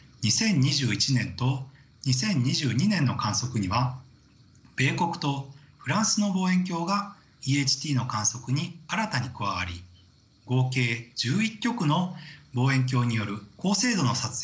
２０２１年と２０２２年の観測には米国とフランスの望遠鏡がＥＨＴの観測に新たに加わり合計１１局の望遠鏡による高精度の撮影が可能となりました。